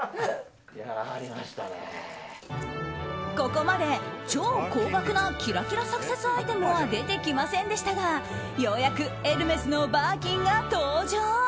ここまで超高額なキラキラサクセスアイテムは出てきませんでしたがようやくエルメスのバーキンが登場！